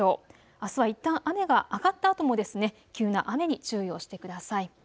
あすはいったん雨が上がったあとも急な雨に注意をしてください。